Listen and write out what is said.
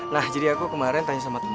nah jadi aku kemarin tanya sama temen